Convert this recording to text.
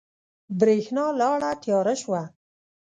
برېښنا لاړه تیاره شوه